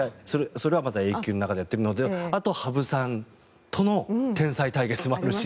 それはまたＡ級の中でやっているのであと、羽生さんとの天才対決もあるし。